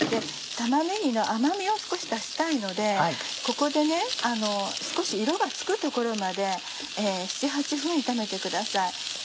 玉ねぎの甘みを少し出したいのでここで少し色がつくところまで７８分炒めてください。